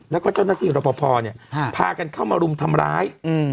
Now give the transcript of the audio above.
แล้วก็เจ้านักศิษย์รพพพากันเข้ามารุมทำร้าย